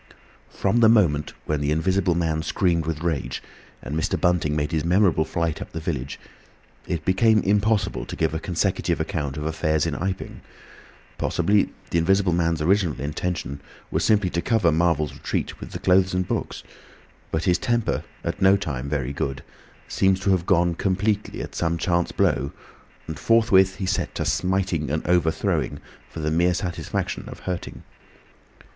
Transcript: From the moment when the Invisible Man screamed with rage and Mr. Bunting made his memorable flight up the village, it became impossible to give a consecutive account of affairs in Iping. Possibly the Invisible Man's original intention was simply to cover Marvel's retreat with the clothes and books. But his temper, at no time very good, seems to have gone completely at some chance blow, and forthwith he set to smiting and overthrowing, for the mere satisfaction of hurting.